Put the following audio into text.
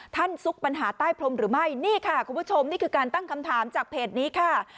ซุกปัญหาใต้พรมหรือไม่นี่ค่ะคุณผู้ชมนี่คือการตั้งคำถามจากเพจนี้ค่ะ